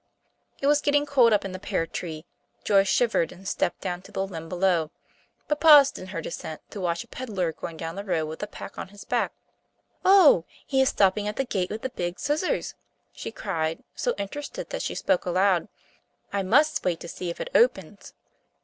It was getting cold up in the pear tree. Joyce shivered and stepped down to the limb below, but paused in her descent to watch a peddler going down the road with a pack on his back. "Oh, he is stopping at the gate with the big scissors!" she cried, so interested that she spoke aloud. "I must wait to see if it opens."